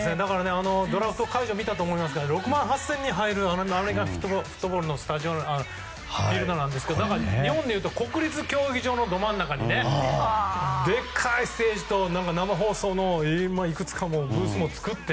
ドラフト会場を見たと思いますけど６万８０００人が入るアメリカンフットボールのフィールドなんですけど日本でいうと国立競技場のど真ん中にでかいステージと生放送のブースも作って。